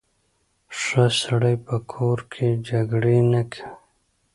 ښه سړی په کور کې جګړې نه کوي.